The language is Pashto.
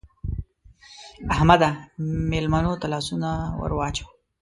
احمده! مېلمنو ته لاسونه ور واچوه.